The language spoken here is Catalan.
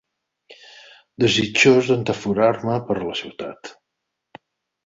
Desitjós d'entaforar-me per la ciutat